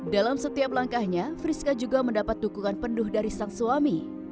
dalam setiap langkahnya friska juga mendapat dukungan penuh dari sang suami